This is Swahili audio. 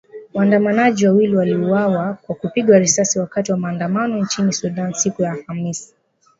Waandamanaji wawili waliuawa kwa kupigwa risasi wakati wa maandamano nchini Sudan siku ya Alhamis.